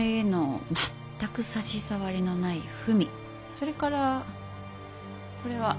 それからこれは経本。